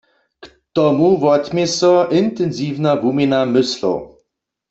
K tomu wotmě so intensiwna wuměna myslow.